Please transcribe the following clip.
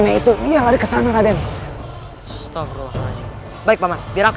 kau bisa menangkapku